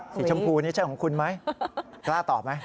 สีชมพูนี่ใช่ของคุณไหมกล้าตอบไหม